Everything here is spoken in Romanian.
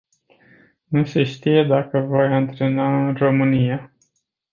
Nu se știe dacă voi antrena în România.